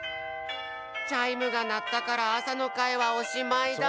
チャイムがなったからあさのかいはおしまいだ！